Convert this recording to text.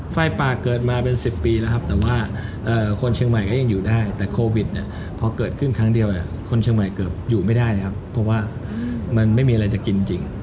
ไฟป่าเกิดมาเป็น๑๐ปีแล้วครับแต่ว่าคนเชียงใหม่ก็ยังอยู่ได้แต่โควิดเนี่ยพอเกิดขึ้นครั้งเดียวคนเชียงใหม่เกือบอยู่ไม่ได้นะครับเพราะว่ามันไม่มีอะไรจะกินจริง